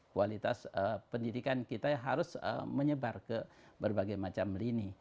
kualitas pendidikan kita harus menyebar ke berbagai macam lini